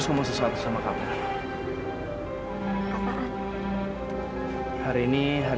sampai jumpa di video selanjutnya